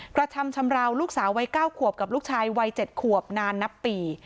กระทำชำราวลูกสาววัย๙ขวบกับลูกชายวัย๗ขวบนานนับปี